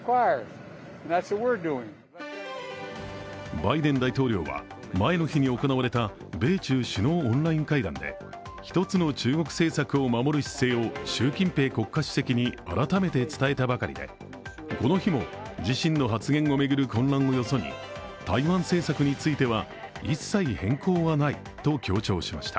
バイデン大統領は、前の日に行われた米中首脳オンライン会談で１つの中国政策を守る姿勢を習近平国家主席に改めて伝えたばかりでこの日も、自身の発言を巡る混乱をよそに台湾政策については一切変更はないと強調しました。